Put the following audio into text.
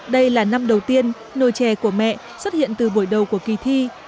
đây là năm đầu tiên nồi chè của mẹ xuất hiện từ buổi đầu của kỳ thi